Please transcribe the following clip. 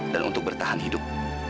dan untuk bertahan hidup